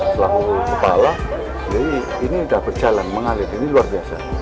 selaku kepala jadi ini sudah berjalan mengalir ini luar biasa